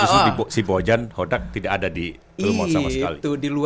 terus lu si bojan hodak tidak ada di rumon sama sekali